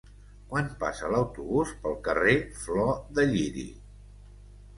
Quan passa l'autobús pel carrer Flor de Lliri?